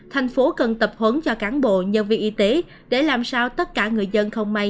thành phố cần tập huấn cho cán bộ nhân viên y tế để làm sao tất cả người dân không may